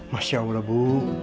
masya allah bu